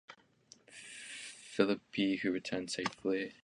Philippi, who returned safely.